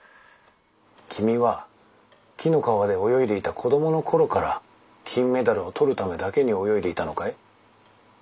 君は紀の川で泳いでいた子供の頃から金メダルを獲るためだけに泳いでいたのかい？